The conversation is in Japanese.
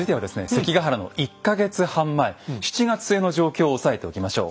関ヶ原の１か月半前７月末の状況を押さえておきましょう。